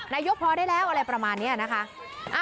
นายกพอได้แล้วอะไรประมาณนี้นะคะ